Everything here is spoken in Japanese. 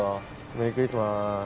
メリークリスマス。